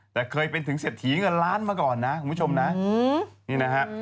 แต่เคยเป็นถึงเศรษฐีเงินล้านมาก่อนนะคุณผู้ชมนะนี่นะฮะ